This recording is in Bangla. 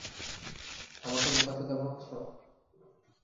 আমাকে বোকাচোদা ভাবছো?